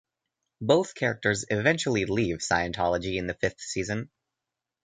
Both characters eventually leave Scientology in the fifth season.